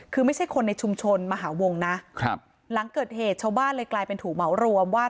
คือไม่ใช่คนในชุมชนมหาวงนะครับหลังเกิดเหตุชาวบ้านเลยกลายเป็นถูกเหมารวมว่า